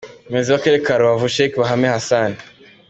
Umuyobozi w’akarere ka Rubavu Sheikh Bahame Hassan.